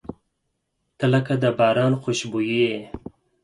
• ته لکه د باران خوشبويي یې.